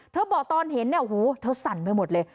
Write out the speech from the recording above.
เธอบอกตอนเห็นโอ้โหเธอสั่นไปหมดเลย